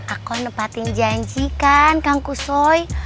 aku nempatin janji kan kang kusoy